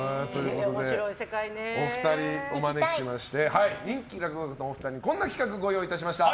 お二人をお招きしまして人気落語家のお二人にこんな企画をご用意しました。